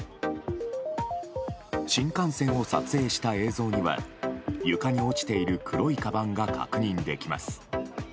新幹線を撮影した映像には床に落ちている黒いかばんが確認できます。